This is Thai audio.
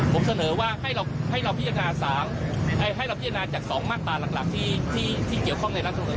ผมเสนอว่าให้เราพิจารณาจาก๒มาตราหลักที่เกี่ยวข้องในรัฐศูนย์